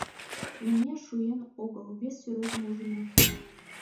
Но ме шуэн огыл вес сӱретым ужына.